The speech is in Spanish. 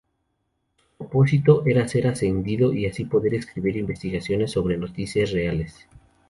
Su propósito era ser ascendido y así poder escribir investigaciones sobre "noticias reales".